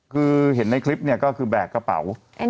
คือเห็นในคลิปเนี่ยก็คือแบกกระเป๋า